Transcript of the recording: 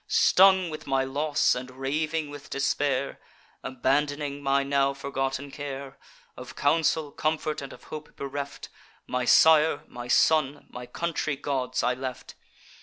Stung with my loss, and raving with despair, Abandoning my now forgotten care, Of counsel, comfort, and of hope bereft, My sire, my son, my country gods I left.